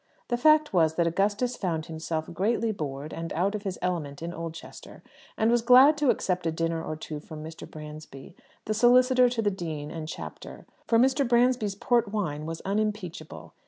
The fact was that Augustus found himself greatly bored and out of his element in Oldchester, and was glad to accept a dinner or two from Mr. Bransby, the solicitor to the Dean and Chapter; for Mr. Bransby's port wine was unimpeachable.